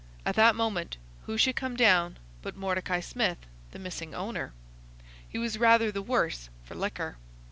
At that moment who should come down but Mordecai Smith, the missing owner? He was rather the worse for liquor.